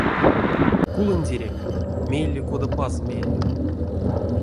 Кулындеряй, мейле кода паз мери.